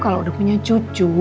kalau udah punya cucu